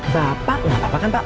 bapak nggak apa apa kan pak